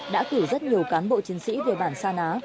đã cử rất nhiều cán bộ chiến sĩ về bản sa ná